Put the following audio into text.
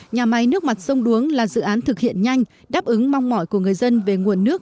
nhà máy nước mặt sông đuống là dự án thực hiện nhanh đáp ứng mong mỏi của người dân về nguồn nước